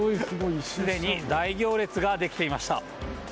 すでに大行列ができていました。